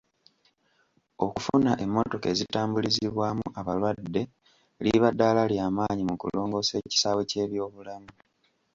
Okufuna emmotoka ezitambulizibwamu abalwadde liba ddaala ly'amaanyi mu kulongoosa ekisaawe ky'ebyobulamu.